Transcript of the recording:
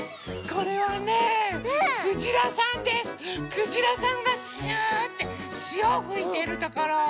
くじらさんがシューッてしおふいてるところ。